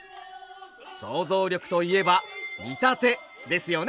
想像力といえば「見立て」ですよね